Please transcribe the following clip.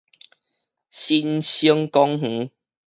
新生公園